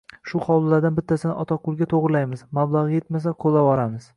– Shu hovlilardan bittasini Otaqulga to‘g‘rilaymiz, mablag‘i yetmasa, qo‘llavoramiz